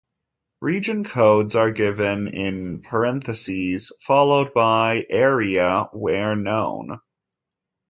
Region codes are given in parentheses; followed by area, where known.